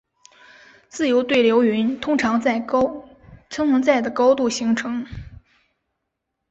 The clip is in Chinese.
自由对流云通常在的高度形成。